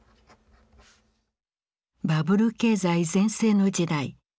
バブル経済全盛の時代。